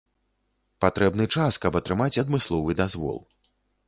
Патрэбны час, каб атрымаць адмысловы дазвол.